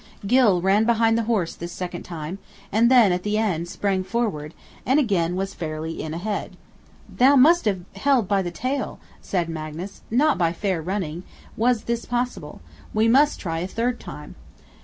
Gylle ran behind the horse this second time; then at the end, sprang forward; and again was fairly in ahead. "Thou must have held by the tail," said Magnus; "not by fair running was this possible; we must try a third time!"